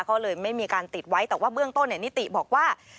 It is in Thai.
ก็เลยไม่มีการติดไว้แต่ว่าเบื้องต้นนิติบอกว่า